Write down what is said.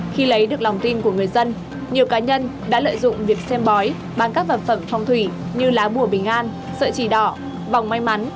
khi lấy được lòng tin của người dân nhiều cá nhân đã lợi dụng việc xem bói bằng các vật phẩm phòng thủy như lá bùa bình an sợi chỉ đỏ vòng may mắn